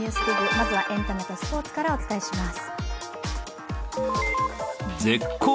まずはエンタメとスポーツからお伝えします。